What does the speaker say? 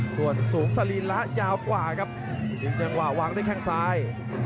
ส่วนสูงสรีระยาวกว่าครับเป็นจังหวะวางด้วยแข้งซ้าย